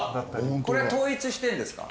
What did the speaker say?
これ統一してるんですか？